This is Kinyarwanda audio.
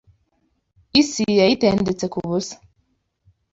isi yayitendetse ku busa